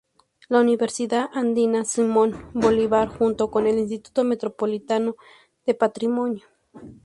La Universidad Andina Simón Bolívar junto con el Instituto Metropolitano de Patrimonio.